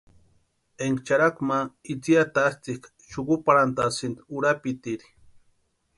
Énka charhaku ma itsï atatsïʼka xukuparhanʼtasïnti urapitiri.